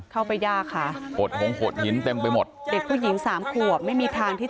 เข้าไปยากค่ะ